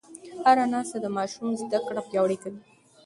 هره ناسته د ماشوم زده کړه پیاوړې کوي.